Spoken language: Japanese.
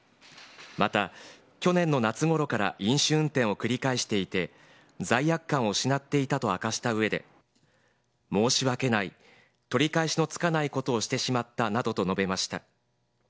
また、去年の夏ごろから飲酒運転を繰り返していて、罪悪感を失っていたと明かしたうえで、申し訳ない、取り返しのつかないことをしてしまったなどと述べました。